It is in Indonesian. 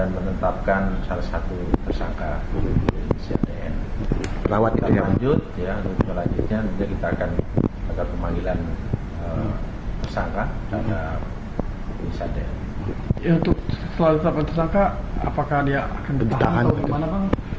tentunya masalah penahanan ini nanti kita akan melihat